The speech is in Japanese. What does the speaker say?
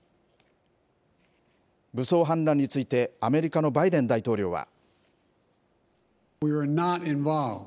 武装反乱について、アメリカのバイデン大統領は。